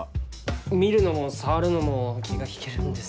見るのも触るのも気が引けるんです。